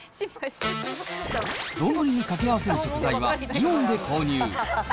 丼に掛け合わせる食材はイオンで購入。